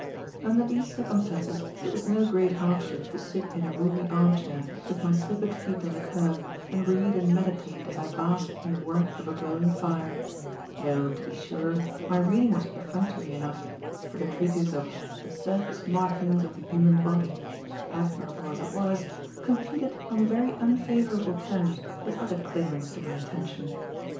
Under these circumstances it was no great hardship to sit in a roomy armchair with my slippered feet on the kerb and read and meditate as I basked in the warmth of a glowing fire; though, to be sure, my reading was perfunctory enough, for the treatise of "The Surface Markings of the Human Body," admirable as it was, competed on very unfavourable terms with other claimants to my attention.